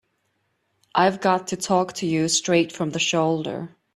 I've got to talk to you straight from the shoulder.